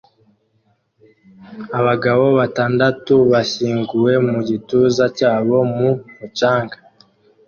Abagabo batandatu bashyinguwe mu gituza cyabo mu mucanga